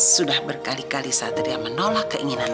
sudah berkali kali satria menolak keinginan